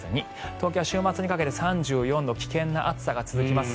東京は週末にかけて３４度危険な暑さが続きます。